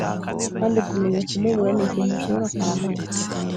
kandi kumenya kumubura nikintu ntashobora kwambara